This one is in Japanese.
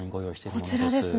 こちらですね。